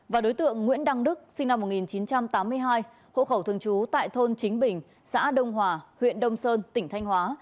và đối tượng nguyễn đăng đức sinh năm một nghìn chín trăm tám mươi hai hộ khẩu thường trú tại thôn chính bình xã đông hòa huyện đông sơn tỉnh thanh hóa